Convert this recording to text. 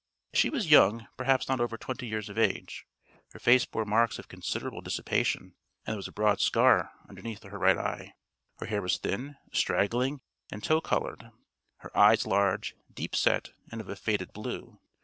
She was young: perhaps not over twenty years of age. Her face bore marks of considerable dissipation and there was a broad scar underneath her right eye. Her hair was thin, straggling and tow colored; her eyes large, deep set and of a faded blue.